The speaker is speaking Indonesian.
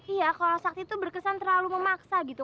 iya kalo sakti tuh berkesan terlalu memaksa gitu